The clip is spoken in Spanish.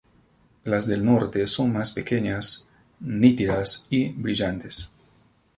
Las del norte son más pequeñas, nítidas y brillantes.